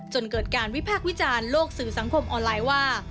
จนเกิดการวิพากษ์วิจารณ์โลกสื่อสังคมออนไลน์ว่า